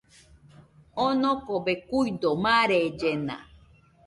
Onokobe kuido, marellena